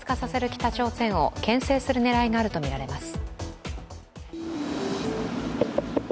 北朝鮮をけん制する狙いがあるとみられます。